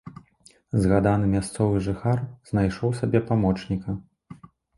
Згаданы мясцовы жыхар знайшоў сабе памочніка.